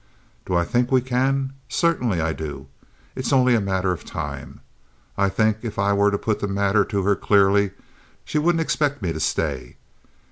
"Do I think we can? Certainly I do. It's only a matter of time. I think if I were to put the matter to her clearly, she wouldn't expect me to stay.